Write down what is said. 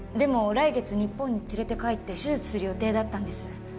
来月日本に連れて帰って手術する予定だったんです